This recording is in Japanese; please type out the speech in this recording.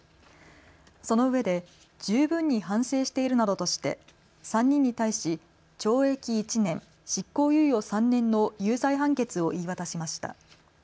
そのうえで十分に反省しているなどとして３人に対し懲役１年、執行猶予３年の有罪判決を言い渡しました。